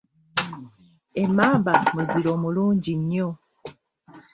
Emmamba muziro mulungi nnyo.